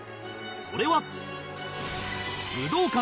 それは